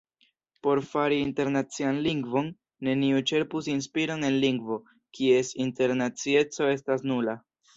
Por fari internacian lingvon, neniu ĉerpus inspiron el lingvo, kies internacieco estas nula.